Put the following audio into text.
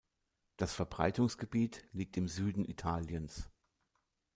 Das Verbreitungsgebiet liegt im Süden Italiens.